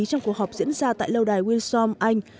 trong một cuộc họp diễn ra tại lầu đài wilson anh